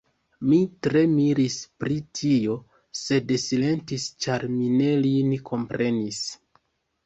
Mi tre miris pri tio, sed silentis, ĉar mi ne lin komprenis.